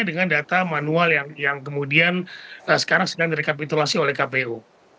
dengan data manual yang kemudian sekarang sedang direkapitulasi oleh kpu